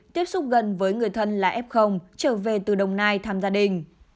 tiếp xúc gần với người thân là f trở về từ đồng nai thăm gia đình